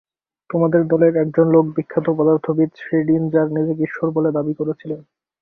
তোমাদের দলের এক জন লোক বিখ্যাত পদার্থবিদ শ্রেডিনজার নিজেকে ঈশ্বর বলে দাবি করেছিলেন।